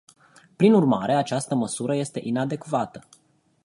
Prin urmare, această măsură este inadecvată.